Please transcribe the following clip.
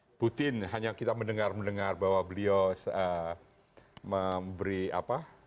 ibu putin hanya kita mendengar mendengar bahwa beliau memberi apa